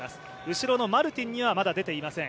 後ろのマルティンにはまだ出ていません。